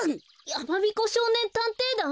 やまびこしょうねんたんていだん？